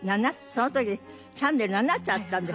その時チャンネル７つあったんです。